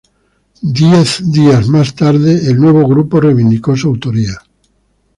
Diez días más tarde el nuevo grupo reivindicó su autoría.